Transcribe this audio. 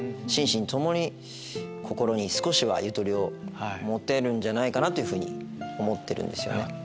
心身ともに心に少しはゆとりを持てるんじゃないかなというふうに思ってるんですよね。